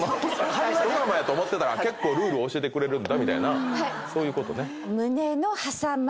ドラマやと思ってたら結構ルールを教えてくれるんだみたいなそういうことね。